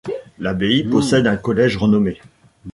L'abbaye possède un collège renommé.